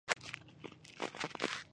د هلمند مدني ټولنې لخوا بګړۍ ورکول شوه.